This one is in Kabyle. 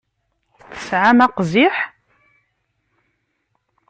Tesɛam aqziḥ?